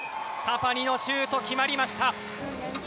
タパニのシュート決まりました。